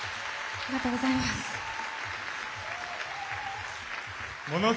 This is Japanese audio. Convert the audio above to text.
ありがとうございます。